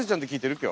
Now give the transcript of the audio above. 今日。